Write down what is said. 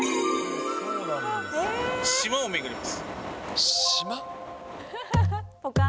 島を巡ります。